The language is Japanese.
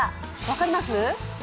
分かります？